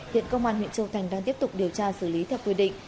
hiện công an huyện châu thành đang tiếp tục điều tra xử lý theo quy định